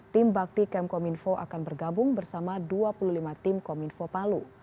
tim bakti kemkominfo akan bergabung bersama dua puluh lima tim kominfo palu